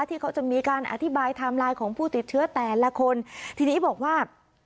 ที่เขาจะมีการอธิบายไทม์ไลน์ของผู้ติดเชื้อแต่ละคนทีนี้บอกว่า